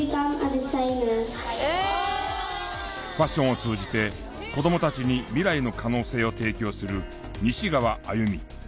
ファッションを通じて子どもたちに未来の可能性を提供する西側愛弓。